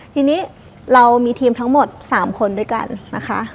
ทีนี้เรามีทีมทั้งหมด๓คนด้วยกันนะคะ